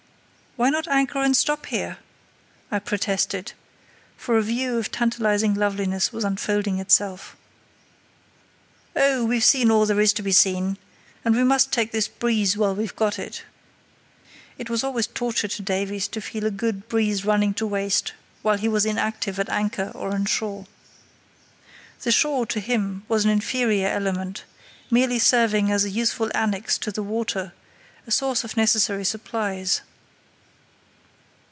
"Why not anchor and stop here?" I protested; for a view of tantalising loveliness was unfolding itself. "Oh, we've seen all there is to be seen, and we must take this breeze while we've got it." It was always torture to Davies to feel a good breeze running to waste while he was inactive at anchor or on shore. The "shore" to him was an inferior element, merely serving as a useful annexe to the water—a source of necessary supplies.